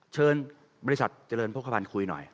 เชิญบริษัทเจริญพวกขวัญคุยหน่อย